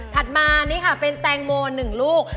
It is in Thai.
มานี่ค่ะเป็นแตงโม๑ลูก